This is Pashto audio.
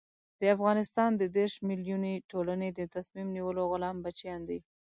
د افغانستان د دېرش ملیوني ټولنې د تصمیم نیولو غلام بچیان دي.